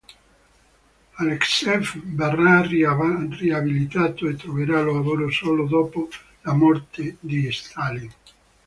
Aleksej verrà riabilitato e troverà lavoro solo dopo la morte di Stalin.